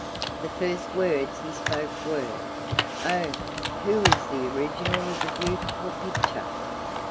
The first words he spoke were: "Oh! who is the original of the beautiful picture?"